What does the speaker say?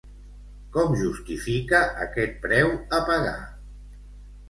Com justifica aquest preu a pagar?